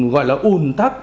gọi là ùn thắt